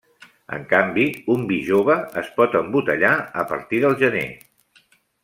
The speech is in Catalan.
En canvi, un vi jove es pot embotellar a partir del gener.